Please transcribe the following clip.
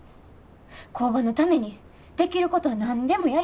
工場のためにできることは何でもやりたい思てる。